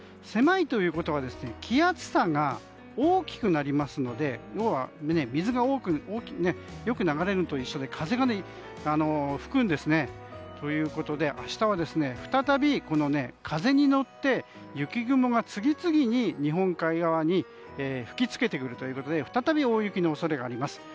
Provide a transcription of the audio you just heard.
狭いということは気圧差が大きくなりますので要は水がよく流れるのと一緒で風が吹くんですね。ということで明日は再び風に乗って雪雲が次々に日本海側に吹きつけてくるということで再び大雪の恐れがあります。